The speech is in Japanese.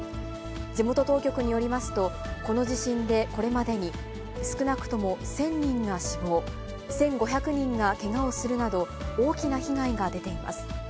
地元当局によりますと、この地震でこれまでに、少なくとも１０００人が死亡、１５００人がけがをするなど、大きな被害が出ています。